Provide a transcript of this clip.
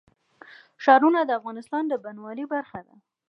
ښارونه د افغانستان د بڼوالۍ برخه ده.